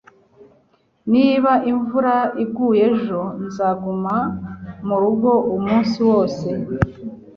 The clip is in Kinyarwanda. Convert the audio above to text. Niba imvura iguye ejo, nzaguma murugo umunsi wose.